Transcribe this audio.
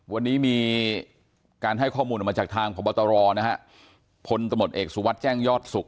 วันนี้มีการให้ข้อมูลมาจากทางสพบตรพนตร์ตมเอกสุวัสดิ์แจ้งยอดศึก